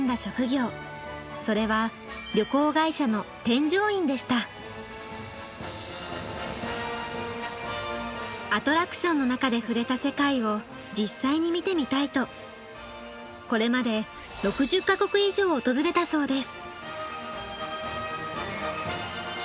それはアトラクションの中で触れた世界を実際に見てみたいとこれまで６０か国以上を訪れたそうです。